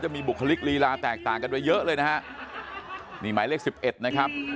มีบุคลิกลีลาแตกต่างกันไว้เยอะเลยนะฮะนี่หมายเลขสิบเอ็ดนะครับ